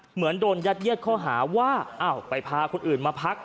เหมือนโดนยัดเย็ดข้อหาว่าอ้าวไปพาคนอื่นมาพัก